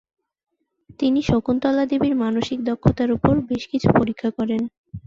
তিনি শকুন্তলা দেবীর মানসিক দক্ষতার উপর বেশ কিছু পরীক্ষা করেন।